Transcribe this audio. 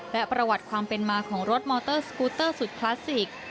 และประวัติความเป็นมาของรถมอเตอร์สกูเตอร์สุดคลาสสิก